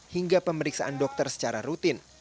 hingga pemeriksaan dokter secara rutin